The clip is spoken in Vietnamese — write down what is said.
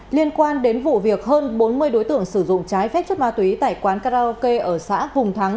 liên quan đến vụ việc hơn bốn mươi đối tượng sử dụng trái phép chất ma túy tại quán karaoke ở xã hùng thắng